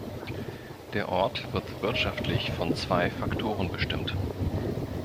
Der Ort wird wirtschaftlich von zwei Faktoren bestimmt.